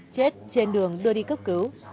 chết trên đường đưa đi cấp cứu